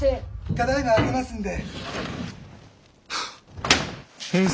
ただいま開けますんで。